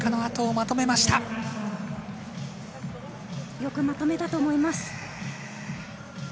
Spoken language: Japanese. よくまとめたと思います。